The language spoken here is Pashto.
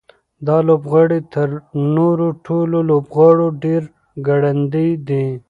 دا لوبغاړی تر نورو ټولو لوبغاړو ډېر ګړندی دی.